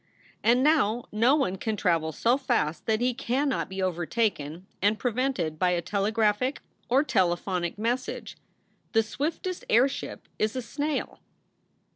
And now no one can travel so fast that he cannot be over taken and prevented by a telegraphic or telephonic message. The swiftest airship is a snail.